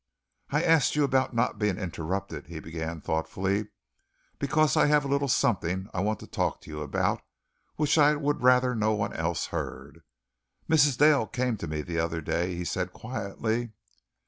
"I asked you about not being interrupted," he began thoughtfully, "because I have a little something I want to talk to you about, which I would rather no one else heard. Mrs. Dale came to me the other day," he said quietly.